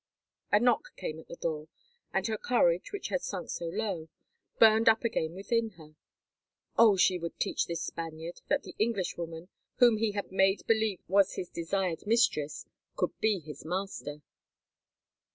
A knock came at the door, and her courage, which had sunk so low, burned up again within her. Oh! she would teach this Spaniard that the Englishwoman, whom he had made believe was his desired mistress, could be his master.